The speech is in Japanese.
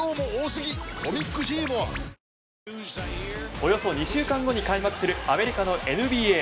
およそ２週間後に開幕するアメリカのＮＢＡ。